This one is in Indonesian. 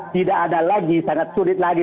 tidak ada lagi sangat sulit lagi